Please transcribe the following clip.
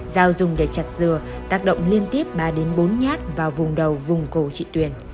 dao dùng để chặt dừa tác động liên tiếp ba đến bốn nhát vào vùng đầu vùng cổ chị tuyền